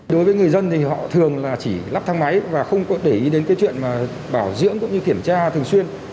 đối với người dân thì họ thường là chỉ lắp thang máy và không có để ý đến cái chuyện mà bảo dưỡng cũng như kiểm tra thường xuyên